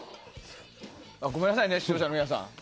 ごめんなさいね、視聴者の皆さん。